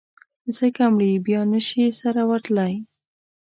ځکه مړي بیا نه شي سره ورتلای.